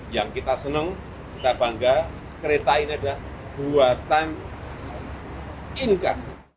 yang kita senang kita bangga kereta ini adalah buatan inka